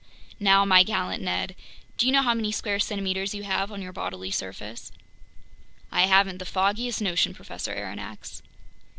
Now, my gallant Ned, do you know how many square centimeters you have on your bodily surface?" "I haven't the foggiest notion, Professor Aronnax."